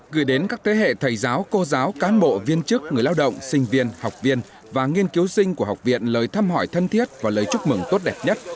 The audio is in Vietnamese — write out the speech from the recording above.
gửi đến các thế hệ thầy giáo cô giáo cán bộ viên chức người lao động sinh viên học viên và nghiên cứu sinh của học viện lời thăm hỏi thân thiết và lời chúc mừng tốt đẹp nhất